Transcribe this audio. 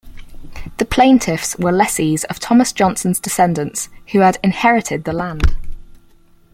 The plaintiffs were lessees of Thomas Johnson's descendants, who had inherited the land.